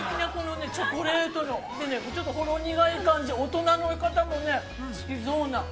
◆すてきなチョコレートの、ちょっとほろ苦い感じ、大人の方も好きそうな。